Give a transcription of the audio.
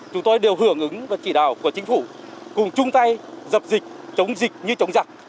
chúng tôi đều hưởng ứng và chỉ đạo của chính phủ cùng chung tay dập dịch chống dịch như chống giặc